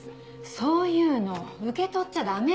そういうの受け取っちゃダメ。